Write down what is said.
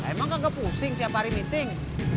emang kagak pusing tiap hari meeting